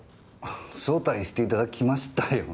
招待していただきましたよね？